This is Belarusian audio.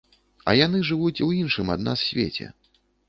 А яны жывуць у іншым ад нас свеце.